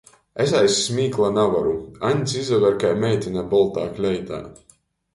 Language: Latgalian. Es aiz smīkla navaru — Aņds izaver kai meitine boltā kleitā!